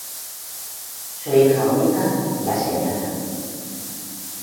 Su hija única, la Sra.